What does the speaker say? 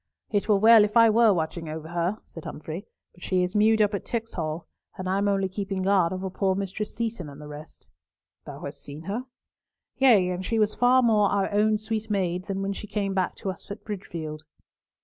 "It were well if I were watching over her," said Humfrey, "but she is mewed up at Tixall, and I am only keeping guard over poor Mistress Seaton and the rest." "Thou hast seen her?" "Yea, and she was far more our own sweet maid than when she came back to us at Bridgefield."